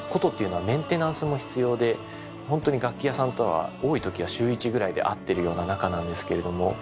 筝っていうのはメンテナンスも必要でホントに楽器屋さんとは多いときは週一くらいで会ってるような仲なんですけれども。